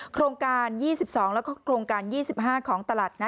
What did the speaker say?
โครงการ๒๒แล้วก็โครงการ๒๕ของตลาด